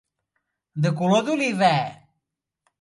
De color d'oliva.